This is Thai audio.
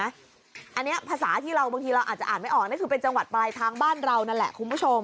อันนี้ภาษาที่เราบางทีเราอาจจะอ่านไม่ออกนั่นคือเป็นจังหวัดปลายทางบ้านเรานั่นแหละคุณผู้ชม